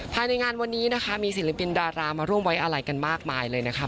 ภายในงานวันนี้นะคะมีศิลปินดารามาร่วมไว้อะไรกันมากมายเลยนะคะ